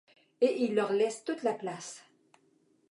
Et il leur laisse toute la place.